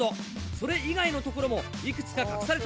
それ以外の所もいくつか隠されています。